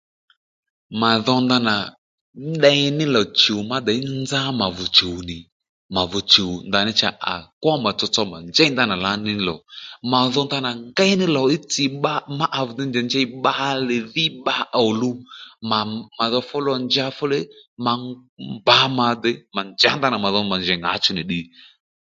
Mà dho ndanà tdey ní lò chùw děy nzá ma vì chùw nì mà dho chùw ndanà à kwó mà tsotso mà njěy ndanà lǎní lò mà dho ndanà ngéy ní lò ddí tsì bba ma à vì dey ndèy njèy bbalè dhí bba òluw mà dho fú lò njà fúlè ma mba mà dè mà njǎ ndanà màdho mà njèy ŋǎchú nì ddiy